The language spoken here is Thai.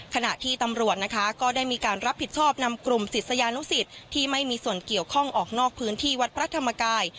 ขณะที่ตำรวจนะคะก็ได้มีการรับผิดชอบนำกลุ่มศิษยานุสิตที่ไม่มีส่วนเกี่ยวข้องออกนอกพื้นที่วัดพระธรรมกาย